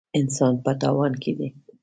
انسان په تاوان کې دی.